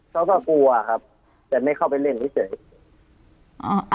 เขาก็กลัวครับแต่ไม่เข้าไปเล่นเฉยอ่า